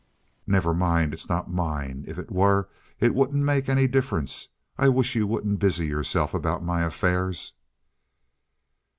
"Never mind, it's not mine. If it were it wouldn't make any difference. I wish you wouldn't busy yourself about my affairs."